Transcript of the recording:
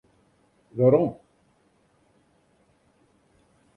Werom.